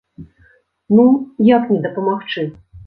Ну, як не дапамагчы?